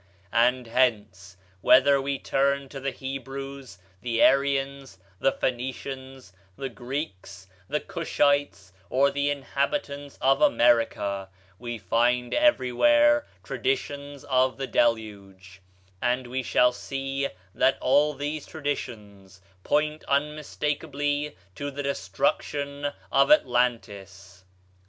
And hence, whether we turn to the Hebrews, the Aryans, the Phoenicians, the Greeks, the Cushites, or the inhabitants of America, we find everywhere traditions of the Deluge; and we shall see that all these traditions point unmistakably to the destruction of Atlantis.